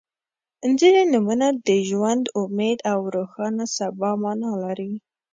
• ځینې نومونه د ژوند، امید او روښانه سبا معنا لري.